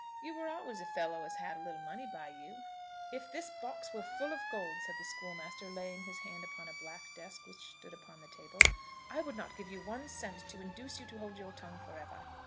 You were always a fellow as had a little money by you." "If this box were full of gold," said the schoolmaster, laying his hand upon a black desk which stood on the table, "I would not give you one cent to induce you to hold your tongue for ever.